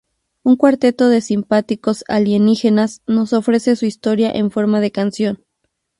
Un cuarteto de simpáticos alienígenas nos ofrece su historia en forma de canción.